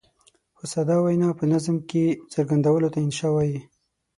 په ساده وینا په نظم کې څرګندولو ته انشأ وايي.